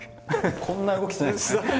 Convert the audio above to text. こんな動きしないですから。